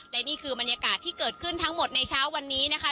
และนี่คือบรรยากาศที่เกิดขึ้นทั้งหมดในเช้าวันนี้นะคะ